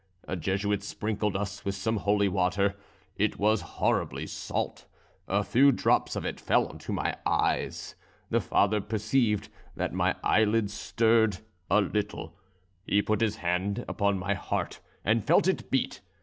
A Jesuit sprinkled us with some holy water; it was horribly salt; a few drops of it fell into my eyes; the father perceived that my eyelids stirred a little; he put his hand upon my heart and felt it beat.